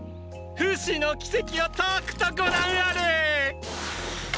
フシの奇跡をとくとご覧あれ！